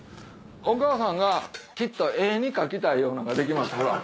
お母さんがきっと絵に描きたいようなのが出来ました。